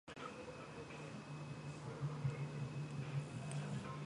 ევროპის სახელმწიფოებმა გადაწყვიტეს მისი დანაწილება.